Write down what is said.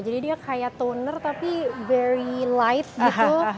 jadi dia kayak toner tapi very light gitu